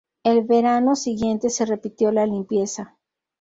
El verano siguiente se repitió la limpieza.